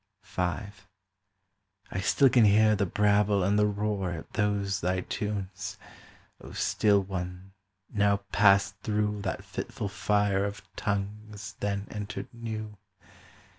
V I still can hear the brabble and the roar At those thy tunes, O still one, now passed through That fitful fire of tongues then entered new!